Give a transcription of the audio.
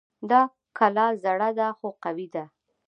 دا کلا زړه ده خو قوي ده